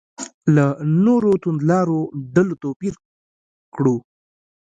له نورو توندلارو ډلو توپیر کړو.